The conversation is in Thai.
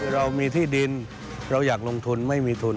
เรามีที่ดินเราอยากลงทุนไม่มีทุน